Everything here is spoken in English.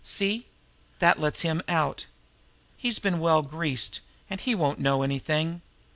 See? That let's him out. He's been well greased, and he won't know anything.